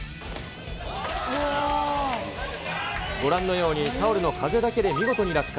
ご覧のように、タオルの風だけで見事に落下。